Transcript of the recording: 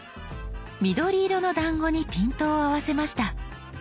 緑色のだんごにピントを合わせました。